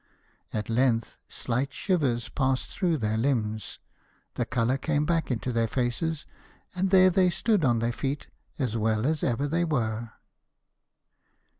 At length slight shivers passed through their limbs; the colour came back into their faces, and there they stood on their feet, as well as ever they were.